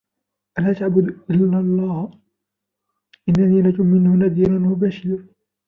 ألا تعبدوا إلا الله إنني لكم منه نذير وبشير